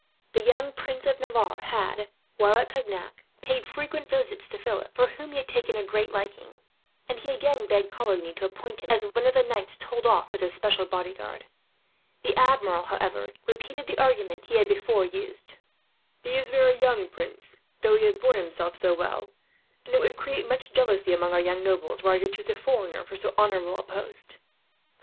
The young Prince of Navarre had, while at Cognac, paid frequent visits to Philip, for whom he had taken a great liking; and he again begged Coligny to appoint him as one of the knights told off as his special bodyguard. The Admiral, however, repeated the arguments he had before used. "He is very young, prince, though he has borne himself so well; and it would create much jealousy among our young nobles, were I to choose a foreigner for so honourable a post."